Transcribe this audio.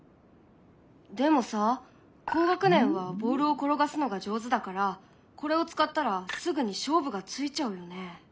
でもさ高学年はボールを転がすのが上手だからこれを使ったらすぐに勝負がついちゃうよね？